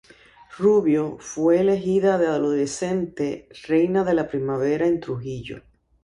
Rubio, fue elegida de adolescente "Reina de la Primavera" en Trujillo.